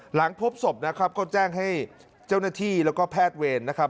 หลังพบศพนะครับก็แจ้งให้เจ้าหน้าที่แล้วก็แพทย์เวรนะครับ